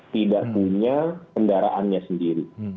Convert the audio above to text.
tidak punya kendaraannya sendiri